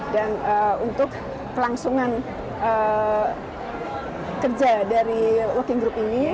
dan untuk kelangsungan kerja dari working group ini